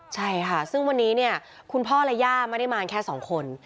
ใช่ค่ะซึ่งวันนี้เนี่ยคุณพ่อและย่าไม่ได้มาแค่สองคน